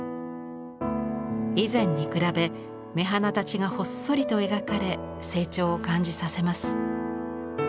以前に比べ目鼻立ちがほっそりと描かれ成長を感じさせます。